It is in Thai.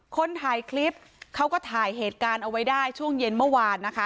คนถ่ายคลิปเขาก็ถ่ายเหตุการณ์เอาไว้ได้ช่วงเย็นเมื่อวานนะคะ